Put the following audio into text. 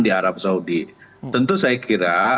di arab saudi tentu saya kira